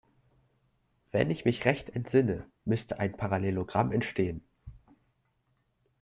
Wenn ich mich recht entsinne, müsste ein Parallelogramm entstehen.